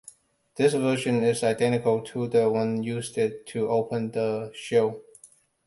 This version is identical to the one used to open the show.